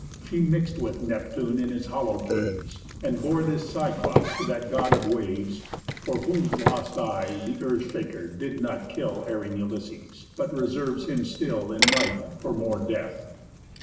She mix'd with Neptune in his hollow caves, And bore this Cyclop to that God of waves. For whose lost eye, th' Earth shaker did not kill Erring Ulysses, but reserves him still In life for more death.